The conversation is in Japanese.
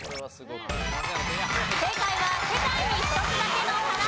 正解は『世界に一つだけの花』。